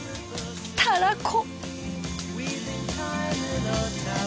たらこ。